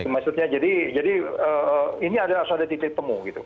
maksudnya jadi ini harus ada titik temu gitu